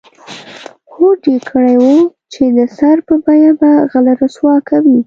هوډ یې کړی و چې د سر په بیه به غله رسوا کوي.